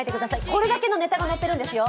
これだけのネタがのっているんですよ。